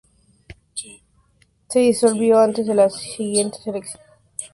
Se disolvió antes de las siguientes elecciones.